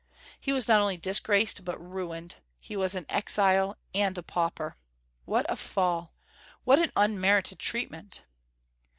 He was not only disgraced, but ruined; he was an exile and a pauper. What a fall! What an unmerited treatment!